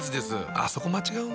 あっそこ間違うんだ。